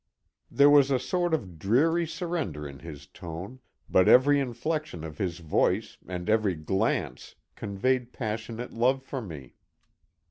There was a sort of dreary surrender in his tone; but every inflection of his voice, and every glance, conveyed passionate love for me.